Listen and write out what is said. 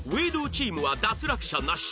チームは脱落者なし